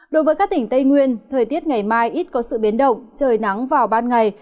đối với các tỉnh tây nguyên thời tiết ngày mai ít có sự biến động trời nắng vào ban ngày